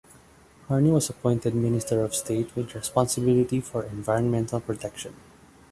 Harney was appointed Minister of State with responsibility for Environmental Protection.